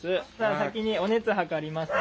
先にお熱測りますね。